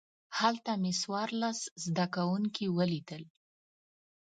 هلته مې څوارلس زده کوونکي ولیدل.